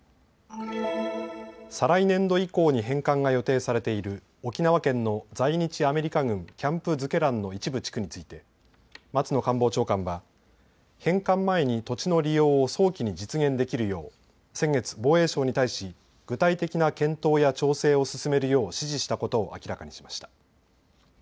再来年度以降に返還が予定されている沖縄県の在日アメリカ軍キャンプ瑞慶覧の一部地区について松野官房長官は返還前に土地の利用を早期に実現できるよう先月、防衛省に対し具体的な検討や調整を進めるよう指示したことを明らかにしました。